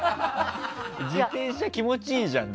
自転車、気持ちいいじゃん。